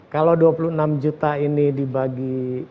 kalau dua puluh enam juta ini dibagi